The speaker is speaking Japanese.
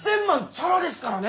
チャラですからね！